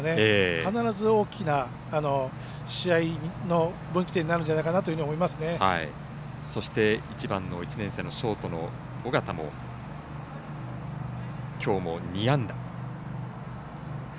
必ず大きな試合の分岐点になるんじゃないかなとそして、１番の１年生のショートの緒方もきょうも２安打。